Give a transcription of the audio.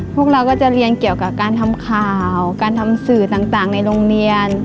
พวกเราก็จะเรียนเกี่ยวกับการทำข่าวการทำสื่อต่างในโรงเรียน